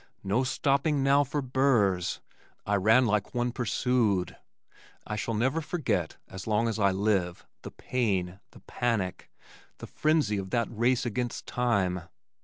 No stopping now for burrs! I ran like one pursued. I shall never forget as long as I live, the pain, the panic, the frenzy of that race against time.